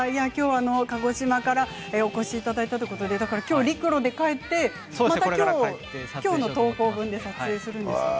鹿児島からお越しいただいたということで陸路で帰ってまたきょうの投稿分を撮影するんですね。